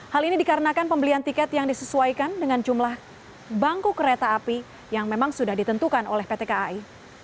hal ini dikarenakan pembelian tiket yang disesuaikan dengan jumlah bangku kereta api yang memang sudah ditentukan oleh pt kai